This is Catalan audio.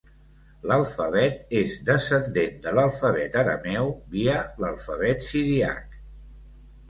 L'alfabet és descendent de l'alfabet arameu via l'alfabet siríac.